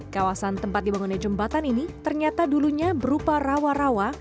kawasan tempat dibangunnya jembatan ini ternyata dulunya berupa rawa rawa